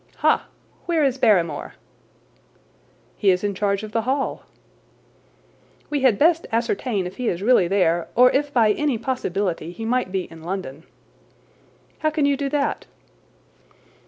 "Ha! Where is Barrymore?" "He is in charge of the Hall." "We had best ascertain if he is really there, or if by any possibility he might be in London." "How can you do that?"